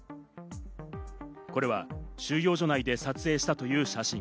これは収容所内で撮影したという写真。